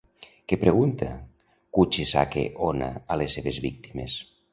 Què pregunta Kuchisake-onna a les seves víctimes?